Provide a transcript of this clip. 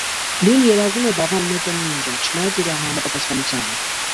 Լին երազում է դառնալ «մեծն նինջա», չնայած իր անհամապատասխանությանը։